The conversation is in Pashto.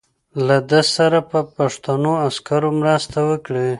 له ده سره به پښتنو عسکرو مرسته وکړي.